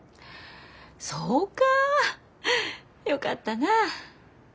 そうかぁよかったな。